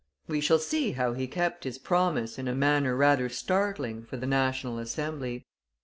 We shall see how he kept his promise in a manner rather startling for the National Assembly.